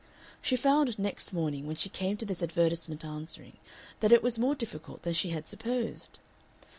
She found next morning, when she came to this advertisement answering, that it was more difficult than she had supposed.